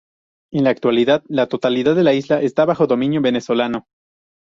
En la actualidad la totalidad de la isla está bajo dominio venezolano.